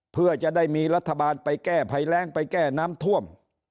เพื่อจะได้มีรัฐบาลไปแก้ภัยแรงไปแก้น้ำท่วม